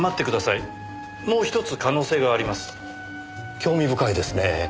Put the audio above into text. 興味深いですねぇ。